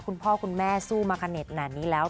คุณพ่อคุณแม่สู้มาขนาดนี้แล้ว